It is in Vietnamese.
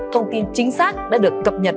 thông tin chính xác đã được cập nhật